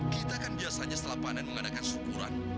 kita kan biasanya setelah panen mengadakan syukuran